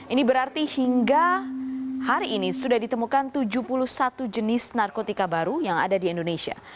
ini berarti hingga hari ini sudah ditemukan tujuh puluh satu jenis narkotika baru yang ada di indonesia